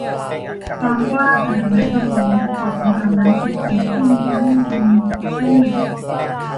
ความกล้าหาญและสมอง สองอย่างนั้นคือสิ่งที่แฮรี่มี -ใช่